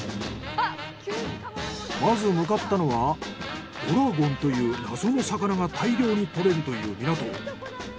まず向かったのはドラゴンという謎の魚が大量に獲れるという港。